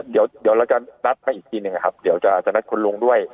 เดี๋ยวเราจะนัดไปอีกทีหนึ่งนะครับเดี๋ยวจะนัดคุณลุงด้วย